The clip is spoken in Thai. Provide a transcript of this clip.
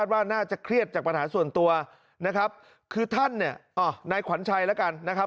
ว่าน่าจะเครียดจากปัญหาส่วนตัวนะครับคือท่านเนี่ยนายขวัญชัยแล้วกันนะครับ